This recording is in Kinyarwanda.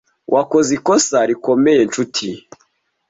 Wakoze ikosa rikomeye, nshuti.